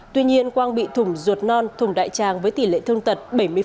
tuy nhiên quang bị thủng ruột non thùng đại tràng với tỷ lệ thương tật bảy mươi